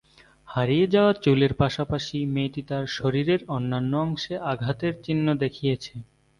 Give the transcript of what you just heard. হারিয়ে যাওয়া চুলের পাশাপাশি মেয়েটি তার শরীরের অন্যান্য অংশে আঘাতের চিহ্ন দেখিয়েছে।